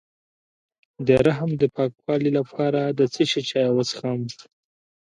د رحم د پاکوالي لپاره د څه شي چای وڅښم؟